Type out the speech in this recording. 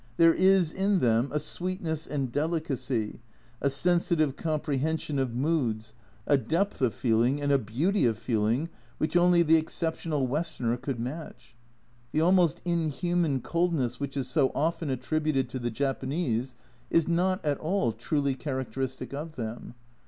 There is in them a sweetness and delicacy, a sensitive comprehension (c 128) T 274 A Journal from Japan of moods, a depth of feeling and a beauty of feeling which only the exceptional Westerner could match. The almost inhuman coldness which is so often attributed to the Japanese is not at all truly char acteristic of them.